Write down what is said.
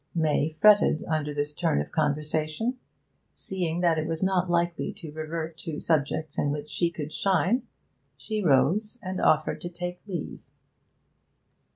May fretted under this turn of the conversation. Seeing that it was not likely to revert to subjects in which she could shine, she rose and offered to take leave.